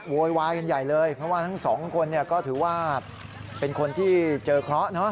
โวยวายกันใหญ่เลยเพราะว่าทั้งสองคนก็ถือว่าเป็นคนที่เจอเคราะห์